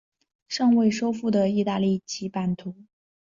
尚未收复的意大利其版图。